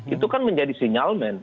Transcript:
itu kan menjadi sinyalmen